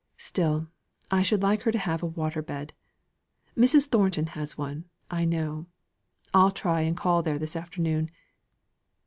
Still, I should like her to have a water bed. Mrs. Thornton has one, I know. I'll try and call there this afternoon.